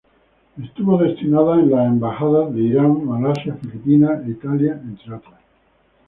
Estuvo destinada a las embajadas de Irán, Malasia, Filipinas e Italia entre otras.